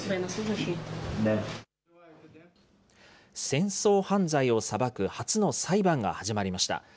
戦争犯罪を裁く初の裁判が始まりました。